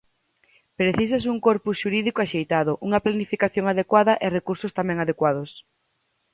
Precisas un corpus xurídico axeitado, unha planificación adecuada e recursos tamén adecuados.